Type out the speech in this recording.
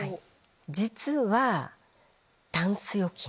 実はタンス預金。